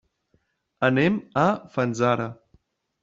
Anem a Fanzara.